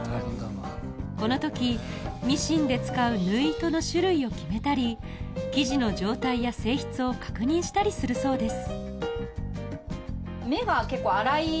この時ミシンで使う縫い糸の種類を決めたり生地の状態や性質を確認したりするそうです